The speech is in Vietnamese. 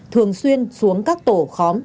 thường xuyên xuống các tổ khóm